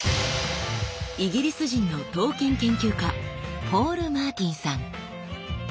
イギリス人の刀剣研究家ポール・マーティンさん。